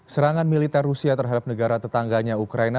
serangan militer rusia terhadap negara tetangganya ukraina